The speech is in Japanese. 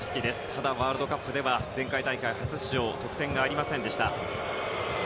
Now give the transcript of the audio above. ただ、ワールドカップでは前回大会、初出場特典がありませんでした。